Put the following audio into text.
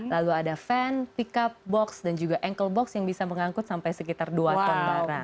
lalu ada fan pickup box dan juga ankle box yang bisa mengangkut sampai sekitar dua ton barang